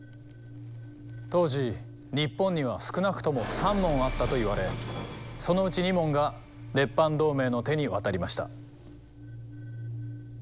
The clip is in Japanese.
当時日本には少なくとも３門あったといわれそのうち２門が列藩同盟の手に渡りました。